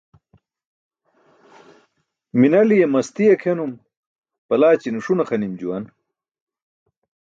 Minaliye masti akʰenum palaćine ṣune xa nim juwan.